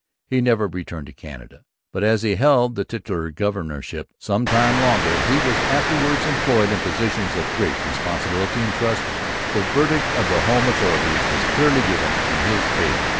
He never returned to Canada. But as he held the titular governorship for some time longer, and as he was afterwards employed in positions of great responsibility and trust, the verdict of the home authorities was clearly given in his favour.